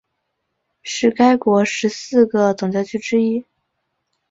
是该国十四个总教区之一。